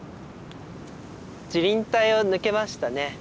樹林帯を抜けましたね。